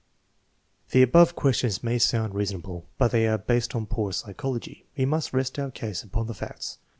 The above questions may sound reasonable, but they are based on poor psychology. We must rest our case upon the facts.